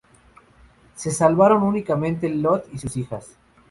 Se salvaron únicamente Lot y sus hijas.